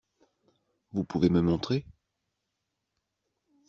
Vous pouvez me montrer ?